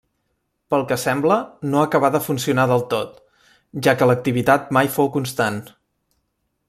Pel que sembla, no acabà de funcionar del tot, ja que l'activitat mai fou constant.